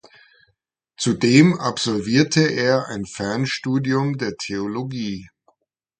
Zudem absolvierte er ein Fernstudium der Theologie.